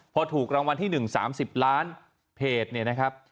พอถูกรางวัลที่๑๓๐ล้านเพจ